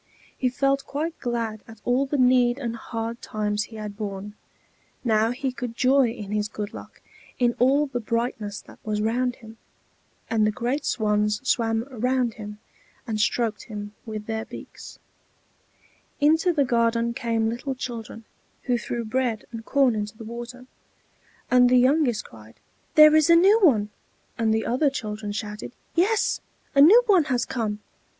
He felt quite glad at all the need and hard times he had borne; now he could joy in his good luck in all the brightness that was round him. And the great swans swam round him and stroked him with their beaks. Into the garden came little children, who threw bread and corn into the water; and the youngest cried, "There is a new one!" and the other children shouted, "Yes, a new one has come!"